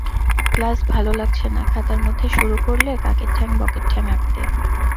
Class ভালো লাগছে না, খাতার মধ্যে শুরু করলে কাকের ঠ্যাং বকের ঠ্যাং আঁকতে।